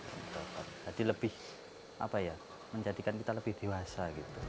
jadi lebih apa ya menjadikan kita lebih dewasa